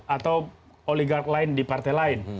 atau oligark lain di partai lain